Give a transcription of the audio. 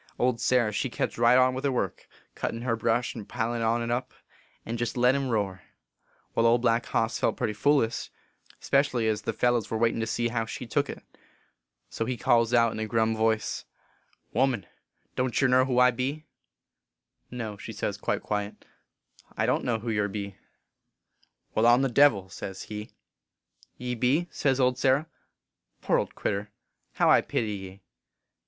Old Sarah she kept right on with her work, cuttin her brash and pilin on t up, and jest let him roar. Wai, Old Black Hoss felt putty foolish, spe cially ez the fellers were waitin to see how she took it. So he calls out in a grum voice, HOW TO FIGHT THE DEVIL. 199 " Woman, don t yer know who I be ?"" 4 No, says she quite quiet, I don t know who yer be. " c Wai, I m the Devil, sez he. " Ye be ? says old Sarah. 4 Poor old critter, how I pity ye